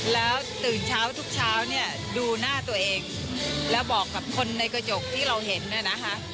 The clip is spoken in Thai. แล้วตื่นเช้าทุกเช้าเนี่ยดูหน้าตัวเองแล้วบอกกับคนในกระจกที่เราเห็นเนี่ยนะคะ